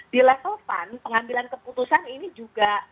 di level pan pengambilan keputusan ini juga